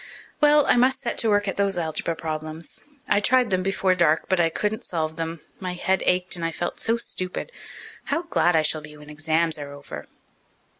Well, I must set to work at those algebra problems. I tried them before dark, but I couldn't solve them. My head ached and I felt so stupid. How glad I shall be when exams are over."